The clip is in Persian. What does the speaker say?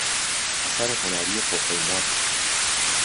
اثر هنری پرقیمت